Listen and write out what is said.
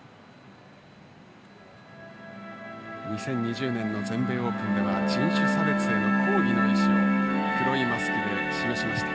２０２０年の全米オープンでは人種差別への抗議の意思を黒いマスクで示しました。